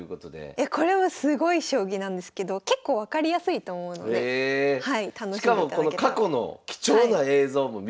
これもすごい将棋なんですけど結構分かりやすいと思うので楽しんでいただけたら。